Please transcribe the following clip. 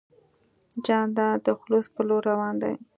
جانداد د خلوص په لور روان دی.